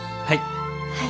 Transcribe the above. はい。